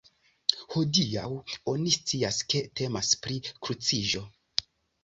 Hodiaŭ oni scias, ke temas pri kruciĝo.